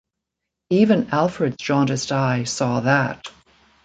Even Alfred's jaundiced eye saw that.